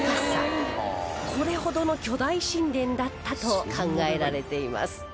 これほどの巨大神殿だったと考えられています